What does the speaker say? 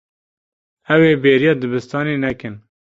Ew ê bêriya dibistanê nekin.